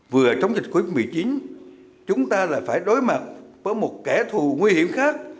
vừa chống dịch covid một mươi chín chúng ta lại phải đối mặt với một kẻ thù nguy hiểm khác